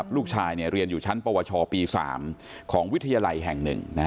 ลูกชายเรียนอยู่ชั้นปวชปี๓ของวิทยาลัยแห่ง๑